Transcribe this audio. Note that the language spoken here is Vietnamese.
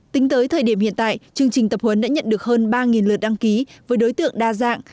tính tới thời điểm hiện tại chương trình tập huấn đã nhận được hơn ba lượt đăng ký với đối tượng đa dạng